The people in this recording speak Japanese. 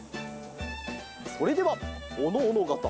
それではおのおのがた